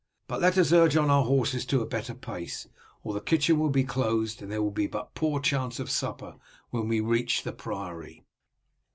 But let us urge on our horses to a better pace, or the kitchen will be closed, and there will be but a poor chance of supper when we reach the priory."